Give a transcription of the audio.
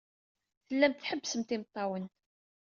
Tellamt tḥebbsemt imeṭṭawen.